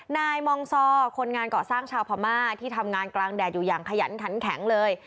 นายมองซอคนงานเกาะสร้างชาวพม่าที่ทำงานกลางแดดอยู่อย่างขยันขันแข็งเลย